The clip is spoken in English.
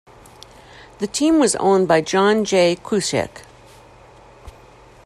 The team was owned by John J. Kuczek.